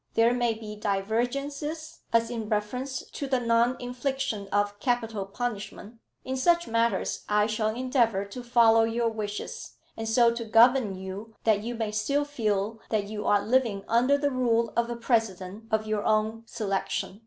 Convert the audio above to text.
There may be divergences, as in reference to the non infliction of capital punishment. In such matters I shall endeavour to follow your wishes, and so to govern you that you may still feel that you are living under the rule of a president of your own selection."